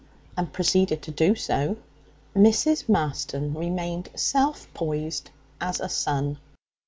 and proceeded to do so, Mrs. Marston remained self poised as a sun.